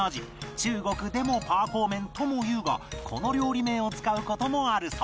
中国でもパーコー麺とも言うがこの料理名を使う事もあるそう